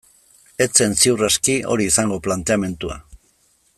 Ez zen, ziur aski, hori izango planteamendua.